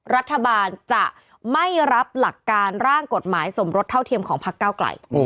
รัฐบาลจะไม่รับหลักการร่างกฎหมายสมรสเท่าเทียมของพักเก้าไกล